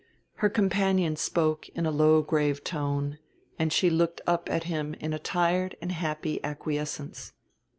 Her companion spoke in a low grave tone, and she looked up at him in a tired and happy acquiescence.